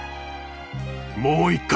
もう一回！